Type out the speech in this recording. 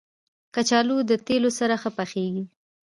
کچالو له تېلو سره ښه پخېږي